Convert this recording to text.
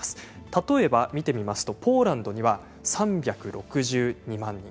例えば、見てみますとポーランドには３６２万人。